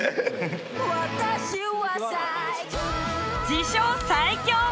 自称最強！